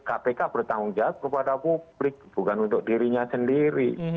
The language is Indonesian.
kpk bertanggung jawab kepada publik bukan untuk dirinya sendiri